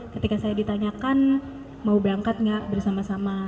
ketika saya ditanyakan mau berangkat nggak bersama sama